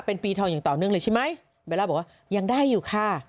เป็นปีทองอย่างต่อเนื่องเลยใช่ไหมเบลล่าบอกว่ายังได้อยู่ค่ะ